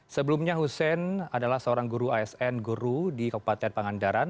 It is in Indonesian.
sebelumnya hussein adalah seorang guru asn guru di kabupaten pangandaran